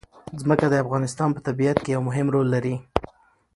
ځمکه د افغانستان په طبیعت کې یو مهم رول لري.